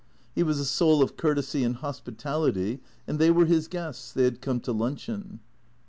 He was the soul of courtesy and hospitality, and they were his guests; they had come to luncheon.